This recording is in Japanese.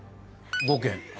５件。